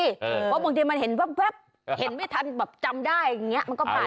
เพราะบางทีมันเห็นแว๊บเห็นไม่ทันแบบจำได้อย่างนี้มันก็ผ่าน